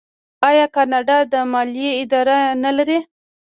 آیا کاناډا د مالیې اداره نلري؟